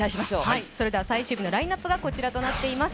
最終日のラインナップがこちらとなっています。